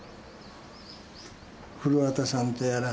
古畑さんとやら。